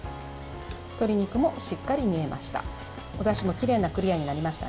鶏肉もしっかり煮えました。